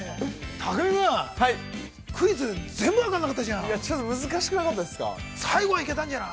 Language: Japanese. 拓実君、クイズ、全部分からなかったじゃない。